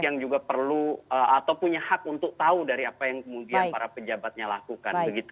yang juga perlu atau punya hak untuk tahu dari apa yang kemudian para pejabatnya lakukan